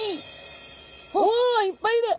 おいっぱいいる！